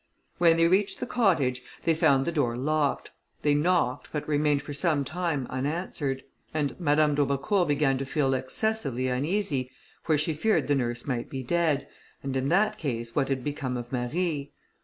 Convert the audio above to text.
When they reached the cottage they found the door locked. They knocked, but remained for some time unanswered, and Madame d'Aubecourt began to feel excessively uneasy, for she feared the nurse might be dead, and in that case what had become of Marie?